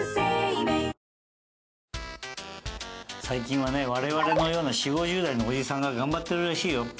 最近はね我々のような４０５０代のおじさんが頑張ってるらしいよ。